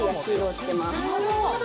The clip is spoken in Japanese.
なるほど。